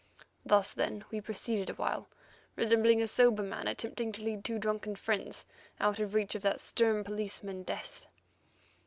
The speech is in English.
Thus, then, we proceeded awhile, resembling a sober man attempting to lead two drunken friends out of reach of that stern policeman, Death.